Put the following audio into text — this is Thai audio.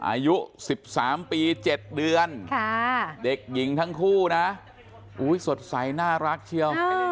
อายุสิบสามปีเจ็ดเดือนค่ะเด็กหญิงทั้งคู่นะอุ้ยสดใสน่ารักเชียวอ่า